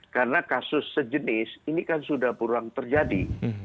karena kasus sejenis ini kan sudah kurang terjadi